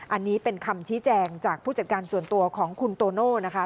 อันนี้เป็นคำชี้แจงจากผู้จัดการส่วนตัวของคุณโตโน่นะคะ